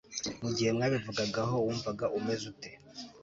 mu gihe mwabivugagaho wumvaga umeze ute